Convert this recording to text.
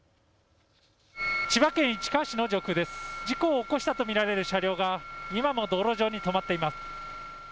事故を起こしたと見られる車両が今も道路上に止まっています。